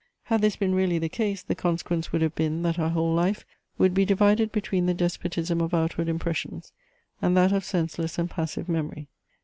Had this been really the case, the consequence would have been, that our whole life would be divided between the despotism of outward impressions, and that of senseless and passive memory.